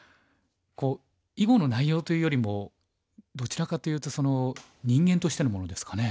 囲碁の内容というよりもどちらかというと人間としてのものですかね。